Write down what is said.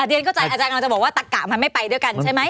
เดือนก็จะอาจารย์ทักกะว่ามันไม่ไปด้วยกันใช่ไหม